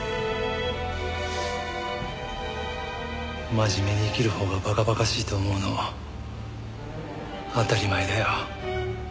真面目に生きるほうが馬鹿馬鹿しいと思うの当たり前だよ。